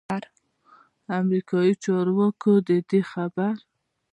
امریکايي چارواکو ددې خبر